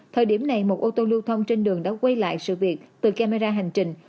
thời điểm này một ô tô lưu thông trên đường đã quay lại sự việc từ camera hành trình